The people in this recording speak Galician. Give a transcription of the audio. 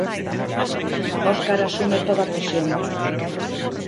Óscar asume toda a presión.